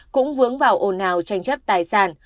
cũng vướng vào ồn ào tranh chấp tài sản